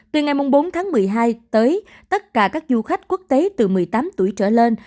từ ngày bốn tháng một mươi hai tới tất cả các du khách quốc tế từ một mươi tám tuổi trở lên